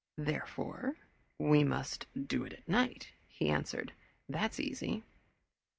"Therefore we must do it at night," he answered. "That's easy."